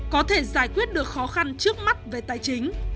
có thể giải quyết được khó khăn trước mắt về tài chính